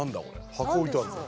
箱置いてあるぞ。